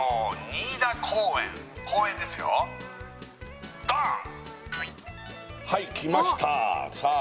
新井田公園公園ですよドン！はいきましたさあ